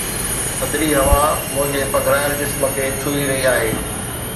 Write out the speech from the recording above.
ٿڌڙي هوا منهنجي پگهرايل جسم کي ڇهي رهي آهي